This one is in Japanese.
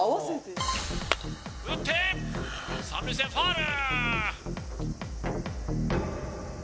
打って三塁線ファウル！